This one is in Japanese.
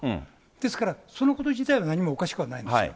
ですから、そのこと自体は何もおかしくはないんですよ。